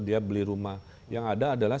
dia beli rumah yang ada adalah